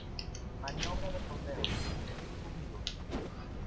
¡ maniobra de fondeo, venid conmigo!